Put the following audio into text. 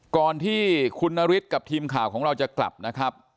ก่อนที่คุณนฤทธิ์กับทีมข่าวของเราจะกลับนะครับ